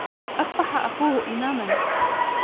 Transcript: أصبح أخوه إماما.